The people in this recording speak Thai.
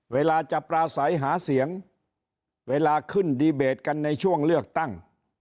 เวลาจะปราศัยหาเสียงเวลาขึ้นดีเบตกันในช่วงเลือกตั้ง